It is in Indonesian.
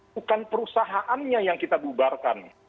bukan perusahaannya yang kita bubarkan